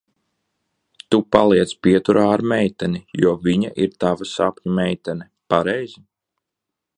Tu paliec pieturā ar meiteni, jo viņa ir tava sapņu meitene, pareizi?